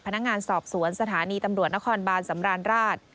พนักงานสอบสวนสถานีตำรวจนครบานสำราญราช